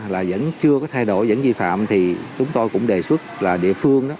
là vẫn chưa có thay đổi vẫn vi phạm thì chúng tôi cũng đề xuất là địa phương